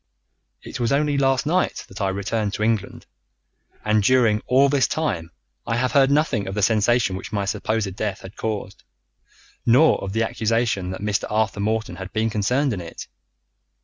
"It was only last night that I returned to England, and during all this time I have heard nothing of the sensation which my supposed death had caused, nor of the accusation that Mr. Arthur Morton had been concerned in it.